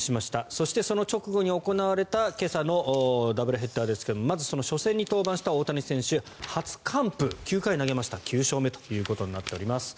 そして、その直後に行われた今朝のダブルヘッダーですがまずその初戦に登板した大谷選手初完封、９回投げました９勝目となっております。